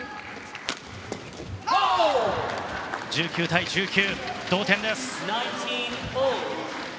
１９対１９、同点です。